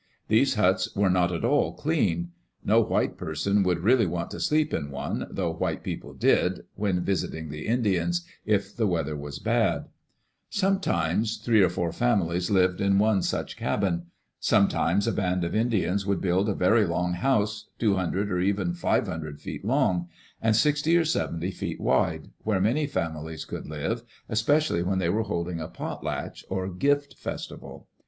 These huts were not at all clean. No white person would really want to sleep in one, though white people did, when visiting the Indians, if the weather was bad. Digitized by Google EARLY DAYS IN OLD OREGON Sometimes three or four families lived in one such cabin; sometimes a band of Indians would build a very long house, two hundred or even five hundred feet long, and sixty or seventy feet wide, where many families could live, especially when they were holding a "potlatch" or gift festival.